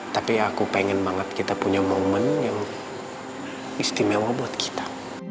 tapi aku pengen banget kita punya momen yang istimewa buat kita